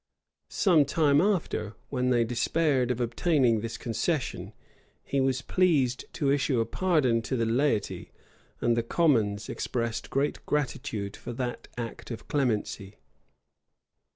Some time after, when they despaired of obtaining this concession, he was pleased to issue a pardon to the laity; and the commons expressed great gratitude for that act of clemency.